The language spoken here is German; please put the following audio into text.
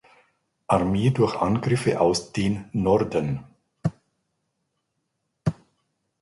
Armee durch Angriffe aus den Norden.